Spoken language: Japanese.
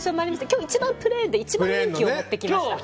今日、プレーンの一番人気を持ってきました。